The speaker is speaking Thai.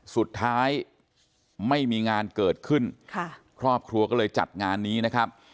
สุดท้ายไม่มีงานเกิดขึ้นค่ะครอบครัวก็เลยจัดงานนี้นะครับ